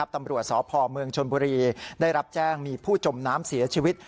ตำรวจสพเมืองชนบุรีได้รับแจ้งมีผู้จมน้ำเสียชีวิต